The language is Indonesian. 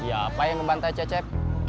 siapa yang membantai cecep